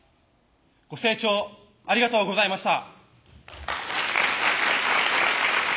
ご清聴ありがとうございました。